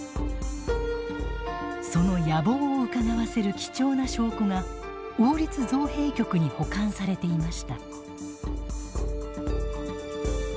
その野望をうかがわせる貴重な証拠が王立造幣局に保管されていました。